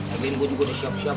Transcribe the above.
again gue juga udah siap siap